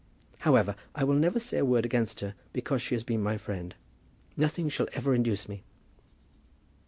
However, I will never say a word against her, because she has been my friend. Nothing shall ever induce me."